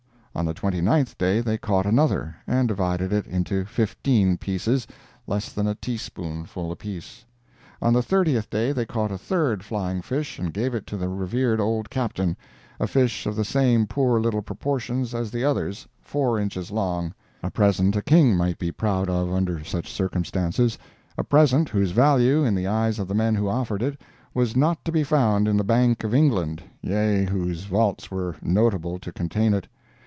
On the twenty ninth day they caught another, and divided it into fifteen pieces, less than a teaspoonful apiece. On the thirtieth day they caught a third flying fish and gave it to the revered old Captain—a fish of the same poor little proportions as the others—four inches long—a present a king might be proud of under such circumstances—a present whose value, in the eyes of the men who offered it, was not to be found in the Bank of England—yea, whose vaults were notable to contain it!